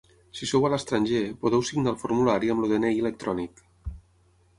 Si sou a l'estranger, podeu signar el formulari amb el DNI electrònic.